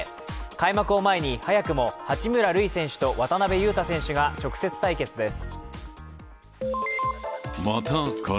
開幕を前に早くも八村塁選手と渡邊雄太選手が直接対決です。